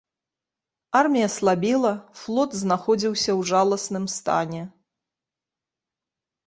Армія слабела, флот знаходзіўся ў жаласным стане.